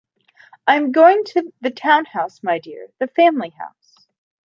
I am going to the town house, my dear, the family house.